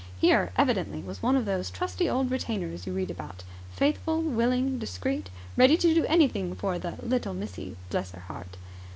Here evidently, was one of those trusty old retainers you read about, faithful, willing, discreet, ready to do anything for "the little missy" (bless her heart!).